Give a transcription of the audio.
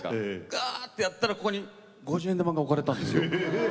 ガーってやったらここに五十円玉が置かれたんですよ。